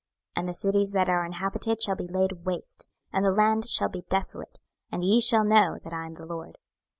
26:012:020 And the cities that are inhabited shall be laid waste, and the land shall be desolate; and ye shall know that I am the LORD.